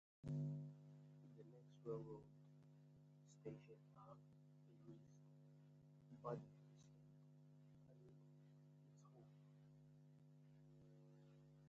The next Railroad stations are in Wrist, Bad Bramstedt and Itzehoe.